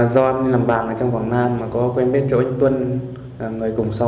do em làm bà ở trong quảng nam mà có quen biết chỗ anh tuân người cùng xó